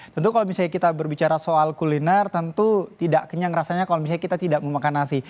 tentu kalau misalnya kita berbicara soal kuliner tentu tidak kenyang rasanya kalau misalnya kita tidak mau makan nasi